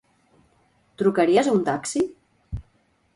Trucaries a un taxi?